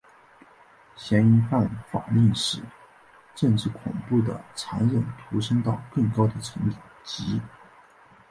嫌疑犯法令使政治恐怖的残酷陡升到更高的层级。